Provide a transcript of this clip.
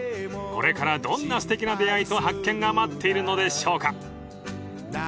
［これからどんなすてきな出会いと発見が待っているのでしょうか］